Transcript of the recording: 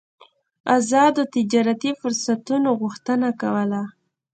ازادو تجارتي فرصتونو غوښتنه کوله.